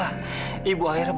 andi ada hal rapat